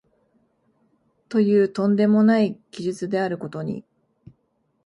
という飛んでもない奇術であることに、